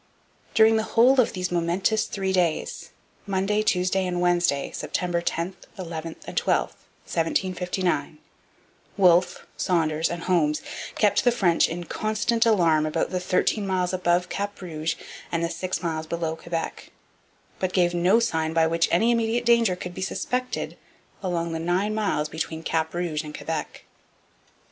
During the whole of those momentous three days Monday, Tuesday, and Wednesday, September 10, 11, and 12, 1759 Wolfe, Saunders, and Holmes kept the French in constant alarm about the thirteen miles above Cap Rouge and the six miles below Quebec; but gave no sign by which any immediate danger could be suspected along the nine miles between Cap Rouge and Quebec.